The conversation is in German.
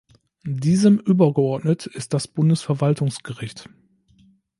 Diesem übergeordnet ist das Bundesverwaltungsgericht.